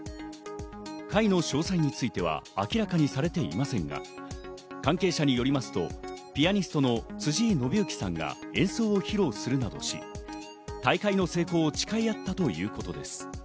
会の詳細については明らかにされていませんが、関係者によりますとピアニストの辻井伸行さんが演奏を披露するなどし、大会の成功を誓い合ったということです。